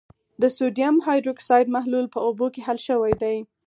د سوډیم هایدروکسایډ محلول په اوبو کې حل شوی دی.